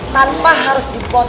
tanpa harus dipotong